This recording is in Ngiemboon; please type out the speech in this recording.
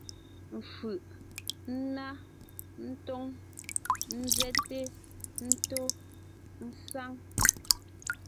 Fʉʼ: ńná, ńtóŋ, ńzɛ́te, ńtó, ésáŋ.